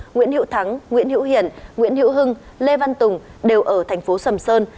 nguyễn hữu thắng nguyễn hữu hiển nguyễn hữu hưng lê văn tùng đều ở thành phố sầm sơn